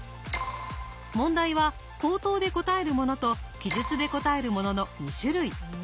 問題は口頭で答えるものと記述で答えるものの２種類。